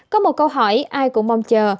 có một câu hỏi ai cũng mong chờ